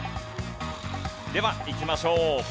ではいきましょう。